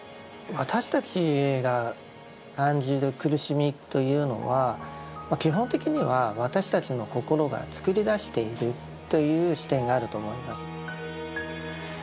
私たちが感じる苦しみというのは基本的には私たちの心が作り出しているという視点があると思います。